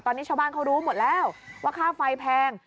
ตอนนี้ชาวบ้านเขารู้หมดแล้วว่าค่าไฟแพง